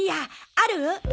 ある？